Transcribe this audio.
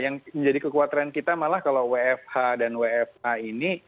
yang menjadi kekhawatiran kita malah kalau wfh dan wfa ini